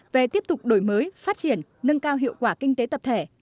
về tiếp tục đổi mới phát triển nâng cao hiệu quả kinh tế tập thể